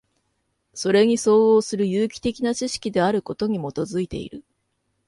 それに相応する有機的な知識であることに基いている。